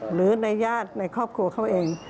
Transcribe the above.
หรือในญาติในครอบครัวเขาเอง